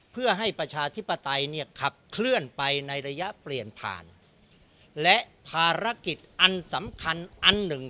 เพื่อให้ประชาธิปไตยเนี่ยขับเคลื่อนไปในระยะเปลี่ยนผ่านและภารกิจอันสำคัญอันหนึ่ง